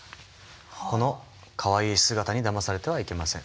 このかわいい姿にだまされてはいけません。